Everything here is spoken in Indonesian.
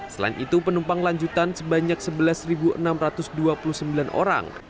selain itu penumpang lanjutan sebanyak sebelas enam ratus dua puluh sembilan orang